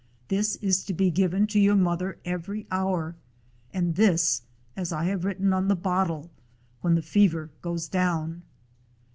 This is to be given to your mother every hour, and this, as I have written on the bottle, when the fever goes down.